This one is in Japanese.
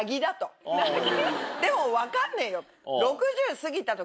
でも分かんねえよ。